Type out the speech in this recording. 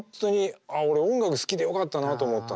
俺音楽好きでよかったなと思ったんですよ。